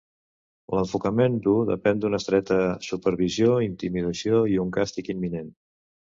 L'enfocament dur depèn d'una estreta supervisió, intimidació i un càstig imminent.